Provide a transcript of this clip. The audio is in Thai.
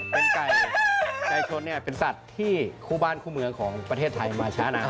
เป็นไก่ไก่ชนเป็นสัตว์ที่คู่บ้านคู่เมืองของประเทศไทยมาช้านาน